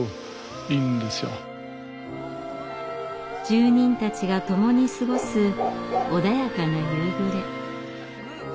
住人たちが共に過ごす穏やかな夕暮れ。